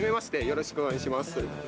よろしくお願いします。